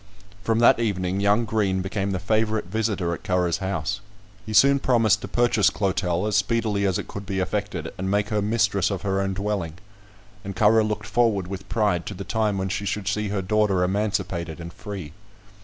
From that evening, young Green became the favourite visitor at Currer's house. He soon promised to purchase Clotel, as speedily as it could be effected, and make her mistress of her own dwelling; and Currer looked forward with pride to the time when she should see her daughter emancipated and free.